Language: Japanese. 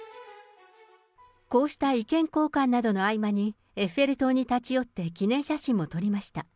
こうした意見交換などの合間に、エッフェル塔に立ち寄って記念写真も撮りました。